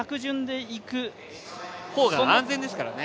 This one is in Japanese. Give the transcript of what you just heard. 方が安全ですからね。